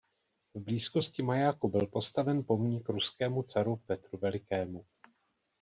V blízkosti majáku byl postaven pomník ruskému caru Petru Velikému.